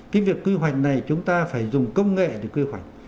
cái việc quy hoạch này chúng ta phải dùng công nghệ để quy hoạch